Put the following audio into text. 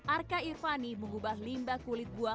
arka irvani mengubah limba kulit buah